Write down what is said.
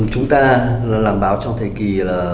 chúng ta làm báo trong thời kỳ bốn